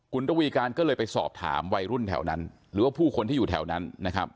คุณตวีการก็เลยไปสอบถามวัยรุ่นแถวนั้นหรือว่าผู้คนที่อยู่แถวนั้นนะครับ